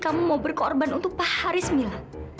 kamu mau berkorban untuk pak haris milla